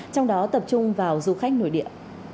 trong đó tập trung vào du khách nội địa